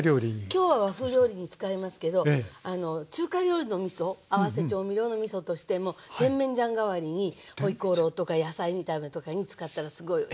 今日は和風料理に使いますけど中華料理のみそ合わせ調味料のみそとしても甜麺醤代わりにホイコーローとか野菜炒めとかに使ったらすごいおいしいと。